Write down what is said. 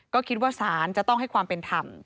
ก็คิดว่าศาลจะต้องให้ความเป็นธรรม